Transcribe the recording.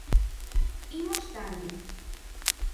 Imos tarde.